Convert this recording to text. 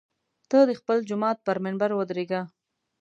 ته د خپل جومات پر منبر ودرېږه.